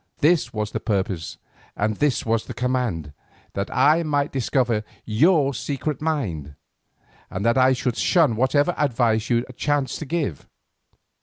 This was the purpose and this was the command, that I might discover your secret mind, and that I should shun whatever advice you chanced to give.